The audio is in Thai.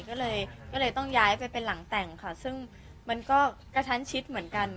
ก็เลยก็เลยต้องย้ายไปเป็นหลังแต่งค่ะซึ่งมันก็กระชั้นชิดเหมือนกัน